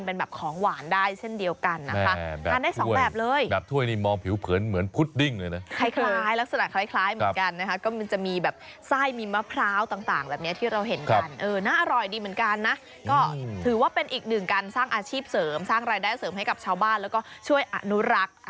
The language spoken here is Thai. เป็นแบบของหวานได้เช่นเดียวกันนะคะทานได้สองแบบเลยแบบถ้วยนี่มองผิวเผินเหมือนพุดดิ้งเลยนะคล้ายลักษณะคล้ายเหมือนกันนะคะก็มันจะมีแบบไส้มีมะพร้าวต่างแบบนี้ที่เราเห็นกันเออน่าอร่อยดีเหมือนกันนะก็ถือว่าเป็นอีกหนึ่งการสร้างอาชีพเสริมสร้างรายได้เสริมให้กับชาวบ้านแล้วก็ช่วยอนุรักษ์